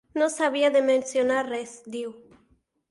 No s’havia de mencionar res, diu.